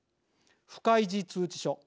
不開示通知書。